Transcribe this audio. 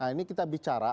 nah ini kita bicara